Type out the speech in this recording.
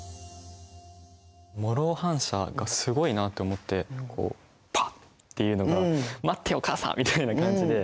モロー反射がすごいなって思ってこうパッていうのが「待ってお母さん」みたい感じで。